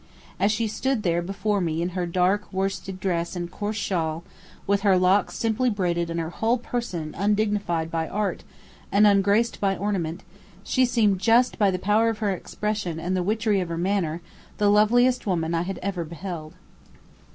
As she stood there before me in her dark worsted dress and coarse shawl, with her locks simply braided and her whole person undignified by art and ungraced by ornament, she seemed just by the power of her expression and the witchery of her manner, the loveliest woman I had ever beheld.